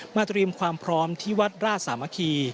เตรียมความพร้อมที่วัดราชสามัคคี